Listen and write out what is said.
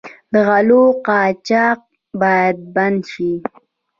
د غلو قاچاق باید بند شي.